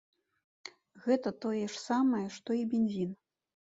Гэта тое ж самае, што і бензін.